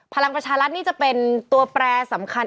พลังประชารัฐนี่จะเป็นตัวแปรสำคัญ